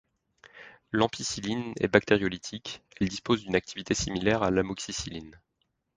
L'ampicilline est bactériolytique, elle dispose d'une activité similaire à l'amoxicilline.